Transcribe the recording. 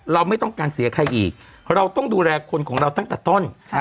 เราไม่ต้องการเสียใครอีกเราต้องดูแลคนของเราตั้งแต่ต้น